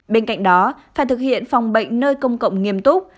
bên cạnh đó phải thực hiện phòng bệnh nơi công cộng nghiêm túc